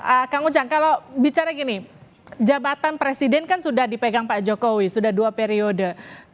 ah kang ujang kalau bicara gini jabatan presiden kan sudah dipegang pak jokowi sudah dua periode